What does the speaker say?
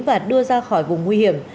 và đưa ra khỏi vùng nguy hiểm